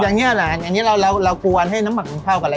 อย่างนี้แหละอันนี้เรากวนให้น้ำหมักมันเข้ากันเลย